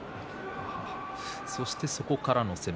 そして、そこからの攻め